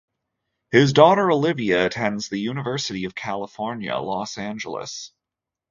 His daughter, Olivia, attends the University of California, Los Angeles.